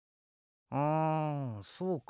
んそうか。